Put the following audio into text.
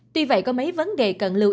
tuy vậy có mấy vấn đề